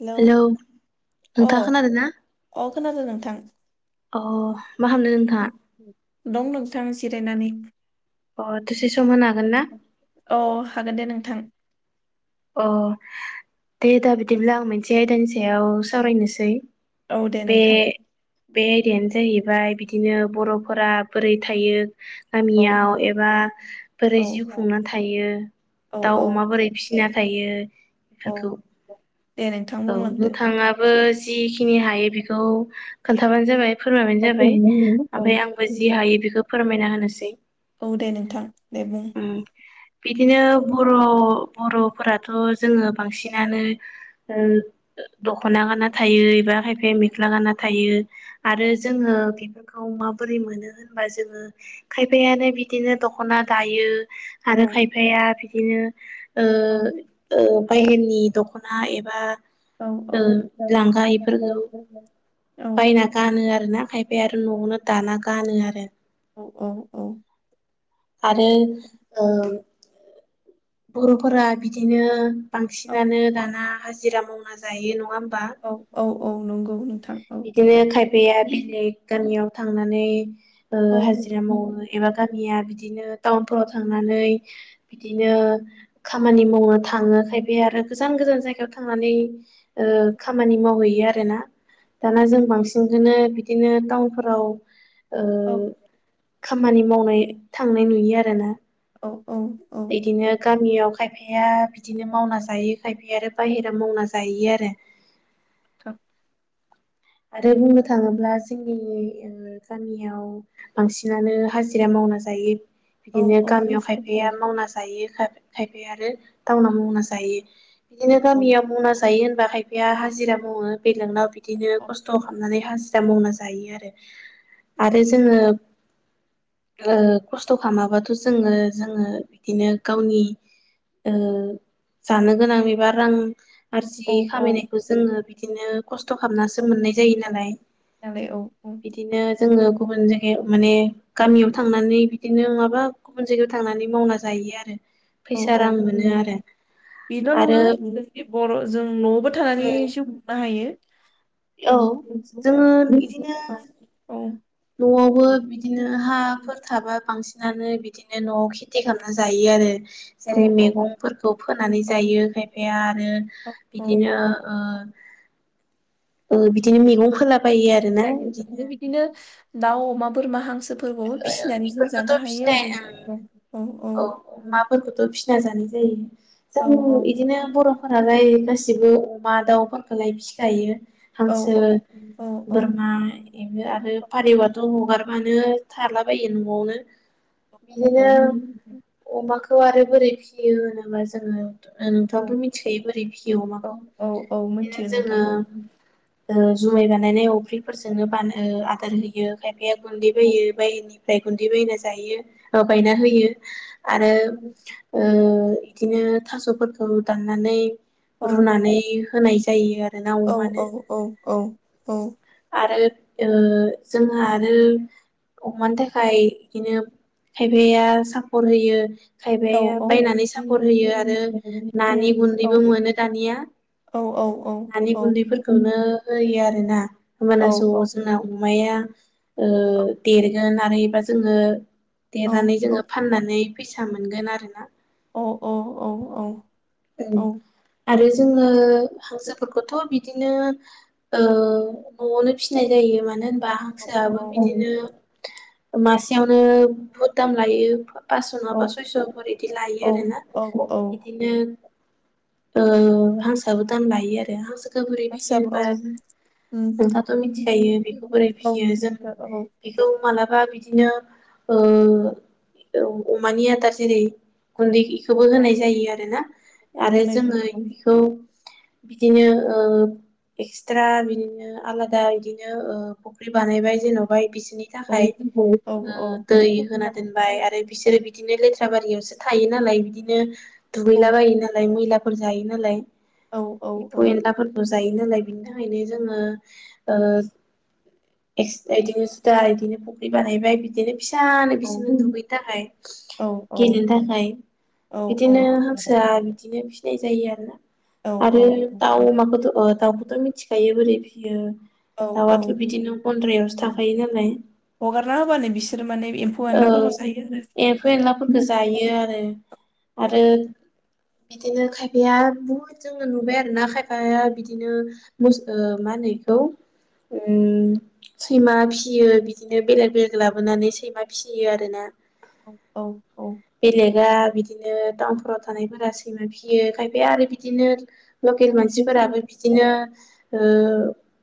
Hello hello अ नोंथांआ खोनादों ना? अ खोनादों नोंथां मा खालामदों नोंथाङा दं नोंथां जिरायनानै। अ दसे सम होनो हागोन ना अ हागोन दे नोंथां अ दे दा बिदिब्ला आं मोनसे आयदानि सायाव सावरायनोसै औ दे बे नोंथां बे आयदायानो जाहैबाय बिदिनो बर'फोरा बोरै थायो औ गामियाव एबा औ बोरै जिउ खुंनानै थायो औ दाउ औ अमा बोरै फिसि गायो औ बेफोरखौ दे नोंथां औ बुंलांदो नथाङाबो जिखिनि हायो बेखौ खोन्थाबानो जाबाय फोरमायबानो औ जाबाय औ ओमफ्राय आंबो जि हायो बेखौ फोरमायना होनोसै औ दे नोंथां दे बुं उम बिदिनो बर' बर'फोराथ' जोङो बांसिनानो दख'ना गाना थायो एबा फ्राय औ मेख्ला गाना थायो औ आरो जोङो खौ माबोरै मोनो होनबा जोङो खायफायानो बिदिनो दख'ना दायो औ आरो खायफाया बिदिनो औ बाहेरनि दख'ना एबा औ ओ औ लांगा इफोरखौ बायना गानो आरोना खायफाया आरो न'आवनो दाना गानो आरो औ औ औ आरो आ बर'फोरा बिदिनो बांसिनानो दाना हाजिरा मावना जायो नङा हो औ औ औ नंगौ नोंथां औ बिदिनो खायफाया बिलेग गामियाव थांनानै औ हाजिरा मावो एबा गामिया बिदि बिदिनो टाउनफ्राव थांनानै बिदिनो खामानि मावनो थाङो खायफाया आरो गोजान गोजान जायगायाव थांनानै खामानि मावहैयो आरोना दाना जों बांसिनखौनो बिदिनो टाउनफोराव औ खामानि मावनाय थांनाय नुयो आरो ना औ औ औ। गामियाव खायफाया नोंथां बिदिनो मावना जायो खायफा आरो बाहेरा मावना जायो आरो [inaudible] आरो बुंनो थाङोब्ला जोंनि गामियाव बांसिनानो हाजिरा माव ना जायो औ बिदिनो औ गामियाव बिसाल औ खायफाया मावना जायो। खायफाया आरो गावनो मावना जायो बिदिनो औ गामियाव मावना जायो होनबा खायफाया हाजिरा मावो बेलेंकनाव बिदिनो खस्थ' खालामनानै हाजिरा मावना जायो आरो आरो जोङो खस्थ' खालामाबाथ' जोङो जोङो बिदिनो गावनि ओ जानो गोनां बेबा रां आरजियै औ औ खामायनायखौ जोङो बिदिनो खस्थ' खालामनासो मोननाय जायो नालाय दालाय औ औ बिदिनो जोङो गुबुन जायगायाव माने गामियाव थांनानै बिदिनो माबा गुबुन जायगायाव थांनानै मावना जायो आरो औ फैसा औ रां उ मोनो दे आरो बेल' आरो नङा जों गेब बर'जों न'आवबो थानि उम जिउब बाहायो औ जोङो इदिनो औ न'आवबो बिदिनो हाफोर थाबा बांसिन नानै बिदिनो न'आव खेथि खालामना जायो आरो। औ जेरै मैगंफोरखौ फोनानै औ जायो खायफाया आरो औ औ बिदिनो ओ ओ बिदिनो मैगं होलाब जायबो बे बिदिनो दाउ अमा बोरमा हांसो फोरबो फिसिनानै जों बेफोरखौथ' जानो हायो फिनाय आरो औ औ औ औ। अमाफोरखौथ' फिना जानाय जायो औ जों बिदिनो बर'फोरालाय गासिबो अमा दाउफोरखौलाय फिखायो औ हांसो औ औ बोरमा बे आरो फारिबाथ' हगारबानो थालाबायो न'आवनो औ बिहिनो अमाखौ आरो बोरै फियो होनोबा जोङो ओ औ नोंथाङाबो मिथिखायो बोरै भियो औ अमाखौ औ औ मिथियो बिदिनो नोंथां जोङो औ ओ जुमाय बानायनायावनो अफ्रिफोरजोंनो बान ओ आदार होयो खायफाया गुन्दै औ बोयो बायनिफ्राय गुन्दै बायना जायो बायना होयो आरो ओ इदिनो थास'फोरखौ दाननानै औ रुनानै होनाय जायो आ औ औ औ औ औ। आरो ओ जोंहा आरो अमानि थाखाय इदिनो खायफाया सापर्ट होयो औ खायबाया बायनानै सापत होयो आरो नानि गुन्दैबो मोनो दानिया औ नानि गुन्दैफोरखौनो होयो आरो ना। होमबाना सो औ जोंना अमाया ओ देरगोन ओरैबा जोङो देरनानै जोङो फाननानै फैसा मोनगोन आरोना। औ औ औ औ। ओं आरो जोङो हांसोफोरखौथ' बिद बिदिनो ओ न'आवनो फिसिनाय जायो मानो होन बा हांसोआबो बिदिनो मासेयावनो बहुद दाम लायो फासस' नङाबा सयस'फोर इदि लायो आरोना औ औ इदिनो ओ हांसोआबो दाम लायो आरो हांसोखौ बोरै फैयो सब औ होनबा उम नोंथांङाथ' मिथिखायो बेखौ बोराय औ फियो जों मिथिगौ औ बेखौ मालाबा बिदिनो ओ अमानि आदार जेरै गुन्दै औ इखौबो औ होनाय जायो आरोना आरो होनाय जोङो जायो औ बिखौ बिदिनो ओ एक्सट्रा बिदिनो आलादा बिदिनो ओ फुख्रि बानायबाय जेन'बा बिस बिनि थाखाय ओ दै होना दोनबाय आरो बिसोरो बिदिनो लेथ्रो आबारियावसो थायो नालाय बिदिनो दुगैला बायो नालाय मैलाफोर जायो नालाय एम्फौ एनलाफोरखो जायो नालाय बिनि थाखायनो जोङो एसे बायदिनो जुदा बिदिनो फुख्रि बानायबाय बिदिनो फिसानो बिसिनो दुगैनो थाखाय गेलेनो थाखाय बिदिनो हांसोआ बे फिनाय जायो आरोना आरो दाउ अमाखोथ' ओ दाउखौथ' मिथिखायो बोरै फियो औ औ औ दाउआथ' बिदिनो फन्द्रायावसो थाखायो नालाय औ हगारना होबानो बिसोर माने एम्फौ औ एनलाफोरखौ जायो आरो एम्फौ एनलाफोरखो जायो आरो औ आरो बिदिनो खायफाया बुहुद जोङो नुबाय आरोना खायफाया बिदिनो मास ओ मान नै खौ ओं सैमा फिसियो बिदिनो बेलेग बेलेग लाबोनानै सैमा फिसियो आरोना औ औ औ। बेलेगा बिदिनो टाउनफोराव थानायफोरा सैमा फिसियो खायफाया आरो बिदिनो लकेल औ मानसिफोराबो बिदिनो ओ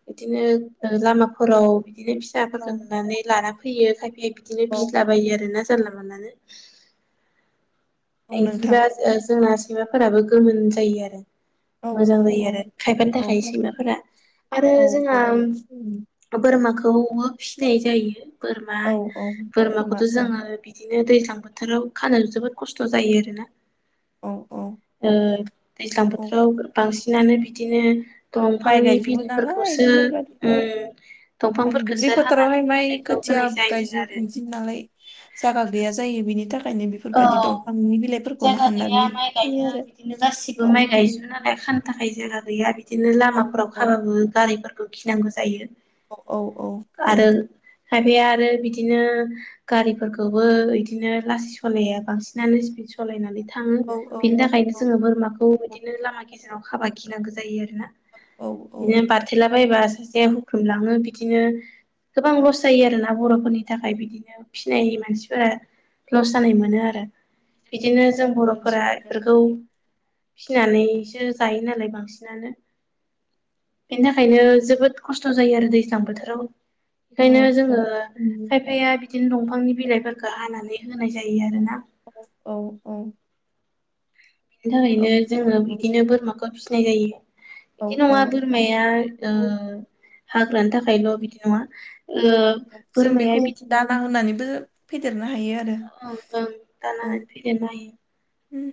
बिदिनो लामाफोराव बिदिनो औ फिसाफोरखौ नुनानै लाना फैयो खायफाया बिदिनो औ फिसिलाबायो आरो ना जानला मानलानो औ नोंथां बिदिबा जोंना सैमाफोराबो गोमोन जायो आरो औ मोजां औ जायो औ आरो खायफानि थाखाय सैमाफोरा आरो औ जोंहा बोरमाखौ बो फिसिनाय जायो बोरमा औ औ बोरमा बोरमाखौथ औ जोङो बिदिनो दै ज्लां बोथोराव खानो जोबोद खस्थ जायो आरोना औ औ ओ दैज्लां औ बोथोराव बांसिनानो बिदिनो माइ दंफांनि गायजोबो नालाय बिलाइफोरखौसो बेफोरबायदि औ उम माने दुब्लि दंफांफोरखौसो फोथारावहाय हानानै माइ बिलाइखौ खोथिया होनाय जायो गायजोब आरो इदि नालाय जाया गैया जायो बेनि थाखाय औ जायगा गैया हाननानै माइ होयो गायनो बिदिनो गासिबो माइ गायजोबो नालाय खान थाखाय जायगा गैया बिदिनो आरो औ लामाफोराव खाबाबो गारिफोरखौ गिनांगौ जायो औ औ औ आरो औ खायफाया आरो बिदिनो गारिफोरखौबो बिदिनो लासै सालाया बांसिनानो स्पिड सालायनानै था थाङो औ औ बेनि थाखायनो औ जोङो बोरमाखौ बिदिनो लामा गेजेराव हाबा गिनांगौ जायो आरो औ औ बिदिनो बाराथेला बायबा सासे हुख्रुमलाङो बिदिनो गोबां नोंथां। लस जायो आरोना बरफोरनि थाखाय बिदिनो फिनाय मानसिफोरा लस जानाय मोनो आरो बिदिनो ओमफ्राय जों जोङो बरफोरा जिउ बेफोरखौ फिनानैसो जायो नालाय बांसिनानो बेनि थाखायनो जोबोद खस्थ जायो आरो दैज्लां बोथोराव औ बेखायनो औ जोङो खायफाया बिदिनो दंफांनि बिलाइफोरखौ हानानै होनाय जायो आरो ना औ औ बिनि औ थाखायनो जोङो बिदिनो बोरमाखौ फिसिनाय जायो बिदि औ नङा बोरमाया ओ हाग्रानि थाखायल बिदि नङा ओ औ जों बोरमाया बेखौ बिदिनो दाना होनानैबो फेदेरनो हायो आरो ओं ओं दाना औ होनानै फैदेरनो हायो उम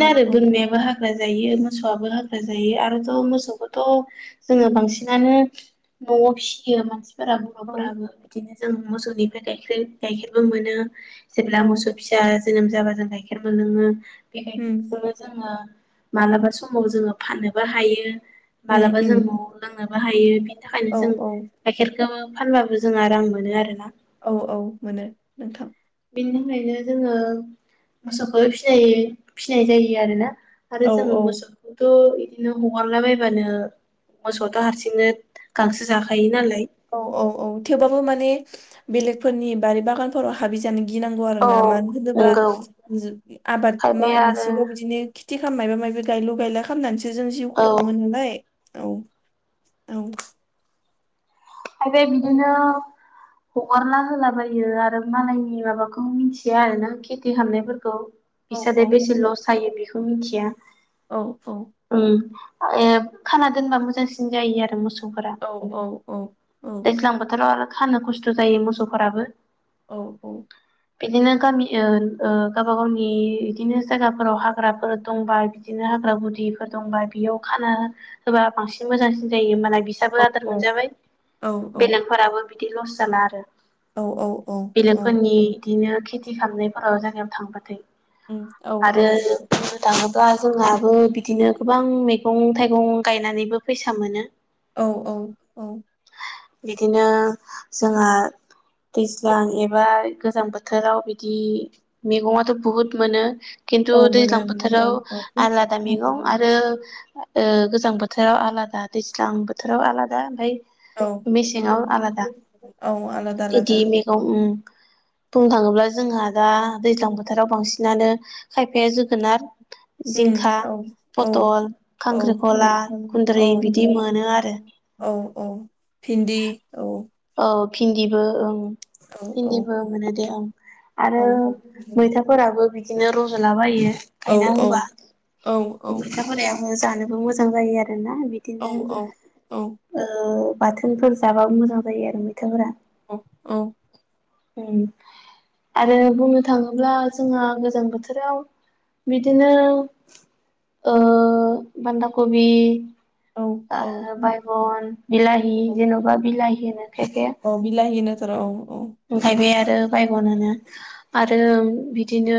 औ आरो बोरमायाबो हाग्रा जायो मोसौआबो हाग्रा जायो आरोथ मोसौखौथ जोङो बांसिनानो नआव फिसियो मानसि फोरा औ बरफोराबो बिदिनो जों मोसौनिफ्राय गाइखेर गाइखेरबो मोनो जेब्ला औ उम मोसौ फिसा जोनोम जाबा जों गाइखेर मोनलोङो बे गाइखेरजोंनो जोङो मालाबा समाव जोङो फाननोबो हायो उम मालाबा उम जों नवाव लोंनोबो हायो बि नि थाखायनो औ जों औ गाइखेरखो फानबाबो जों रां मोनो आरो ना औ औ मोनो नोंथां बेनि थाखायनो जोङो मोसौखौ फिसिनाय फिसिनाय जायो आरोना आरो औ जों औ मोसौखौथ बिदिनो हगारलाबायबानो मोसौआथ हारसिंनो गांसो जाखायो नालाय औ औ औ थेवबाबो माने बेलेगफोरनि बारि बागानफोराव हाबैजानो गिनांगौ आरो औ ना मानो होनोब्ला नंगौ आबाद खायफाया मावनोसै आरो बिदिनो टिखा मायबा मायबि गायलु गायला खामनानैसो जों जिउखौ खुङो नालाय औ औ आरो बिदिनो हगारला होलाबायो आरो मालायनि माबाखौ मिथिया आरो ना खेथि खालामनायफोरखौ औ औ बिसादि बेसे लस जायो बेखौ मिथिया औ औ उम खाना दोनबा मोजांसिन जायो आरो मोसौ औ औ औ दैज्लां बोथोराव आरो खानो खस्थ' जायो मोसौफोराबो औ औ बिदिनो गामि गावबा गावनि बिदिनो जायगाफोराव हाग्राफोर दंबा बिदिनो हाग्रा गुदिफोर दंबा बेयाव खाना होबा बांसिन मोजांसिन जायो ओमबाना औ बिसाबो आदार औ मोनजाबाय बेलेकफोराबो बिदि लस जाला आरो औ बेलेगफोरनि बिदिनो खेथि खालामनायफोराव जायगायाव थांबाथाय आरो थाङोब्ला दा जोंहाबो बिदिनो गोबां मैगं थाइगं गायनानैबो फैसा मोनो औ औ-औ बिदिनो जोंहा दैज्लां एबा गोजां बोथोराव बिदि मैगङाथ' बुहुत मोनो खिन्थु औ मोनो दैज्लां मोनो औ बोथोराव औ आलादा मैगं आरो गोजां बोथोराव आलादा दैज्लां बोथोराव आलादा ओमफ्राय औ मेसेङाव आलादा औ आलादा बिदि आलादा मैगं बुंनो थाङोब्ला जोंहा दा दैज्लां बोथोराव बांसिनानो खायफाया जोगोनार उम जिंखा औ औ पथल औ खांख्रिखला औ कुन्दुलि बिदि मोनो आरो औ औ भिन्दि औ औ भिन्दिबो ओं औ भिन्दिबो मोनो दे ओं औ आरो मैथाफोराबो बिदि बिदिनो रज'लाबायो औ गायना औ होबा औ औ [inaudible] जानोबो मोजां जायो आरोना बिदिनो औ बाथोनफोर जाबाबो मोजां जायो आरो मैथाफोरा औ औ आरो बुंनो थाङोब्ला जोंहा गोजां बोथोराव बिदिनो बान्दा कबि औ औ बायगन बिलाहि जेन'बा बिलाहि औ बिलाहि होनो थर' औ [inaudible] औ ओमफ्राय बे आरो बायगन होनो आरो बिदिनो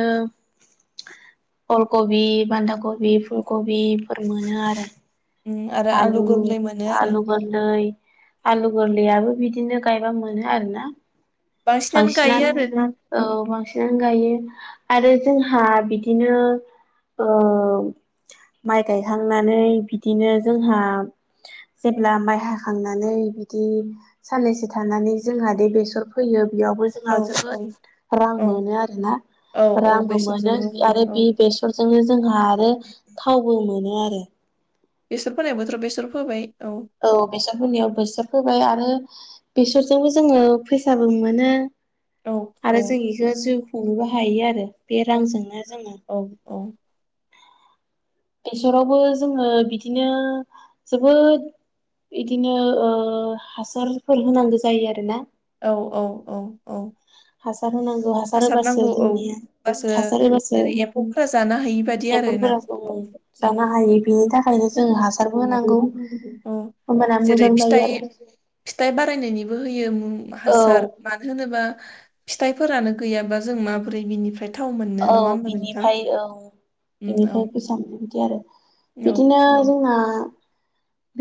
अल कबि, बान्दा कबि, फुलकबिफोर मोनो आरो उम आरो आलु, गोरलै मोनो आरो आलु गोरलै आलु गोरलैयाबो बिदिनो गायबा मोनो आरोना गायो बांसिनानो आरो औ बांसिन गायो आरो जोंहा बिदिनो माइ गायखांनानै बिदिनो जोंहा जेब्ला माइ हाखांनानै बिदि साननैसो थानानै जोंहा दे बेसर फोयो बो जोंहा औ जोबोद रां औ मोनो आरोना औ औ रांबो मोनो बेसरजोंबो आरो औ बे बेसरजोंनो जोंहा थावबो मोनो आरो बेसर फोनाय बोथोराव बेसर फोबाय औ बेसाद फोनायाव बेसर फोबाय आरो आरो बेसरजोंबो जोङो फैसाबो मोनो औ औ आरो जों बेखौ जिउ हुंनोबो हायो आरो बे औ रांजोंनो जोङो औ बेसरावबो जोङो बिदिनो जोबोद बिदिनो हासारफोर होनांगौ जायो आरो ना औ औ-औ-औ हासार होनांगौ हासार होबासो नांगौ औ जोंनिया हबासो हासार होबासो जेरै एम्फौफोरा जानो हायि बायदि आरोना एम्फौफोरा जों औ जानो हायो बेनि थाखायनो जों हासारबो होनांगौ औ होमबाना जेरै मोजां जायो फिथाइ आरो फिथाइ बारायनायनि हो ह औ मानो होनोबा फिथाइफोरानो गैयाबा जों माबोरै बिनिफ्राय। गोथाव मोननो औ नङा होमबा नोंथां बिनिफ्राय औ औ बिनिफ्राय फैसा मोनो बिदि आरो बिदिनो जोंना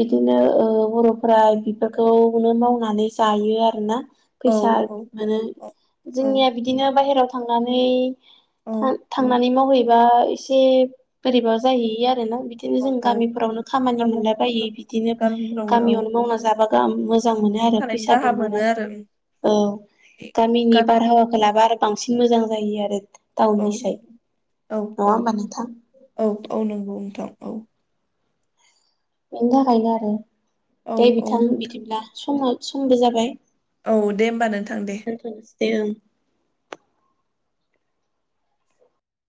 बिदिनो ओ बर'फोरा बेफोरखौनो मावनानै जायो आरोना औ फैसा औ मोनो औ औ जोंनिया बिदिनो बायेराव थांनानै औ थां थांनानै मावहैबा एसे बोरैबा जाहैयो आरो ना बिदिनो जों औ औ गामिफोरावनो खामानि मोनलााय बायो बिदिनो गामिफ्रावनो औ गामियावनो मावना जाब ग मोजां मोनो थानायनि फैसाबो राहा मोनो आरो मोननऔ गामिनि गामि बारहावाखौ लाबा आरो बांसिन मोजां जायो आरो औ टाउननि साय औ नङा औ होमबा नोंथां औ औ नंगौ नोंथां औ बेनि थाखायनो आरो औ दे औ बिथां बिदिब्ला नोंथां समाव समबो जाबाय औ दे होमबा नोंथां दे ए ओं